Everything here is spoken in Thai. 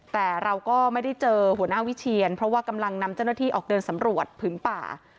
แต่เราก็ไม่ได้เจอหัวหน้าวิเชียนเพราะว่ากำลังนำเจ้าหน้าที่ออกเดินสำรวจผืนป่า